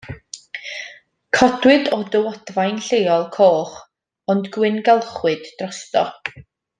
Codwyd o dywodfaen lleol, coch ond gwyngalchwyd drosto.